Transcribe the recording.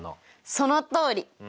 そのとおり！